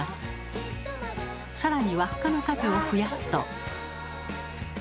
更に輪っかの数を増やすと。